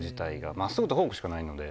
まっすぐとフォークしかないので。